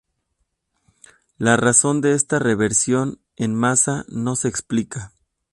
La razón de esta reversión en masa no se explica.